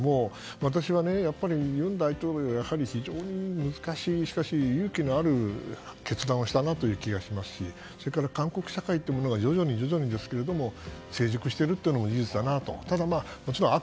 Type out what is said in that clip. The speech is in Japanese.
私は、尹大統領はやはり非常に難しいしかし勇気のある決断をしたなという気がしますしそれから、韓国社会というのが徐々に徐々にですけれども成熟しているのも事実だなと。